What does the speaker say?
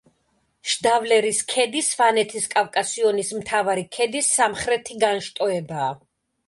შდავლერის ქედი სვანეთის კავკასიონის მთავარი ქედის სამხრეთი განშტოებაა.